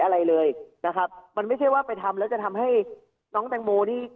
อะไรเลยนะครับมันไม่ใช่ว่าไปทำแล้วจะทำให้น้องแตงโมนี่